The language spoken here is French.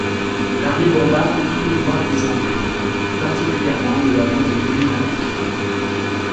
L'armée bombarde tous les douars des environs, plus particulièrement le hameau du Béni Malek.